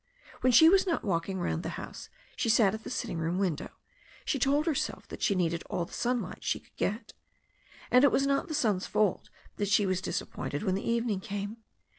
When she was not walking round the house she sat at the sitting room window. She told herself that she needed all the sunlight she could get. And it was not the sun's fault that she was disappointed when the evening came.